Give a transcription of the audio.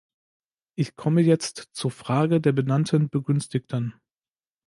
Ich komme jetzt zur Frage der benannten Begünstigten.